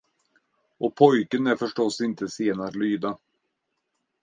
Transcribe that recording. Och pojken är förstås inte sen att lyda.